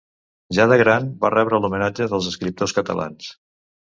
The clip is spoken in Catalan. Ja de gran, va rebre l'homenatge dels escriptors catalans.